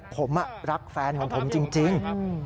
ผมรักแฟนของผมจริง